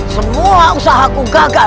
semua usaha ku gagal